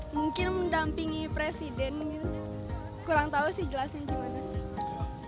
mungkin mendampingi presiden gitu kurang tahu sih jelasnya gimana